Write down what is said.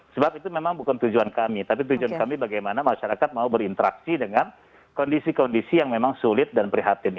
sebab itu memang bukan tujuan kami tapi tujuan kami bagaimana masyarakat mau berinteraksi dengan kondisi kondisi yang memang sulit dan prihatin